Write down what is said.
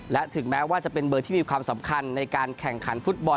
และถึงแม้ว่าจะเป็นเบอร์ที่มีความสำคัญในการแข่งขันฟุตบอล